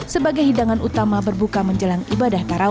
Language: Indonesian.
sebagai hidangan utama berbuka menjelang ibadah tarawih